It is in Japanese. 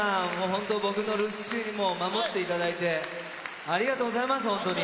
本当僕の留守中に守っていただいてありがとうございます本当に。